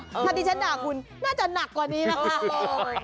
ถ้าดิฉันด่าคุณน่าจะหนักกว่านี้นะคะ